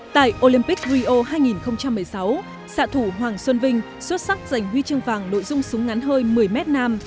tại olympic rio hai nghìn một mươi sáu xạ thủ hoàng xuân vinh xuất sắc giành huy chương vàng nội dung súng ngắn hơi một mươi m nam